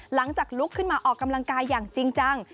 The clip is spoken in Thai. ลุกขึ้นมาออกกำลังกายอย่างจริงจัง